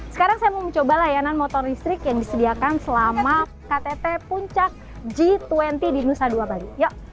sekarang saya mau mencoba layanan motor listrik yang disediakan selama ktt puncak g dua puluh di nusa dua bali